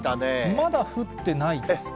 まだ降ってないですか？